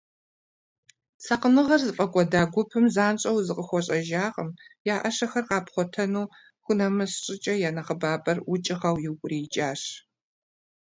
Сакъыныгъэр зыфӀэкӀуэда гупым занщӀэу зыкъыхуэщӀэжакъым, я Ӏэщэхэр къапхъуэтэну хунэмыс щӀыкӀэ, я нэхъыбапӀэр укӀыгъэу иукӀуриикӀащ.